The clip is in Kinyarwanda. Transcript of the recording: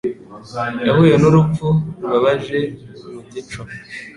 Yahuye n’urupfu rubabaje mu gico.